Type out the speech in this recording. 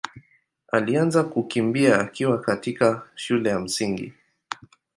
alianza kukimbia akiwa katika shule ya Msingi.